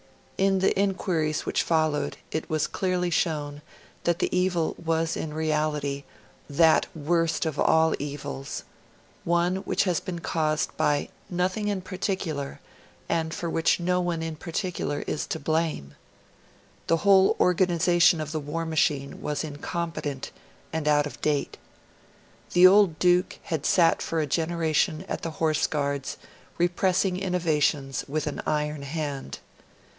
In the inquiries which followed, it was clearly shown that the evil was in reality that worst of all evils one which has been caused by nothing in particular and for which no one in particular is to blame. The whole organisation of the war machine was incompetent and out of date. The old Duke had sat for a generation at the Horse Guards repressing innovations with an iron hand.